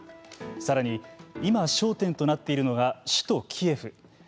さらに今、焦点となっているのが首都キエフ。